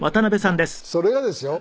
いやそれがですよ